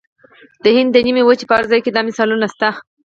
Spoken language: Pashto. د هند د نیمې وچې په هر ځای کې دا مثالونه شته.